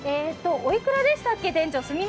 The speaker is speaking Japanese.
おいくらでしたっけ、店長？